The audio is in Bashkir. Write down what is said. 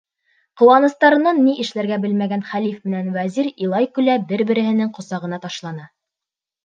Ҡыуаныстарынан ни эшләргә белмәгән хәлиф менән вәзир илай-көлә бер-береһенең ҡосағына ташлана.